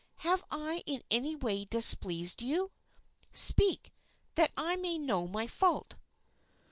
Have I in any way displeased you? Speak, that I may know my fault!"